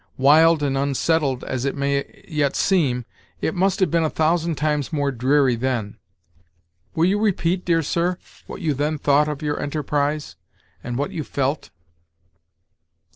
Wild and unsettled as it may yet seem, it must have been a thousand times more dreary then. Will you repeat, dear sir, what you then thought of your enterprise, and what you felt?"